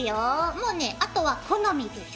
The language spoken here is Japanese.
もうねあとは好みです。